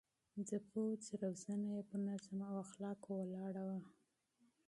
د پوځ روزنه يې پر نظم او اخلاقو ولاړه وه.